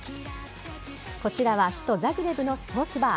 こちらは首都・ザグレブのスポーツバー。